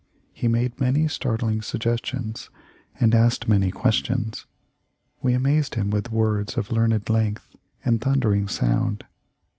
He made many startling suggestions and asked many questions. We amazed him with words of learned length and thundering sound.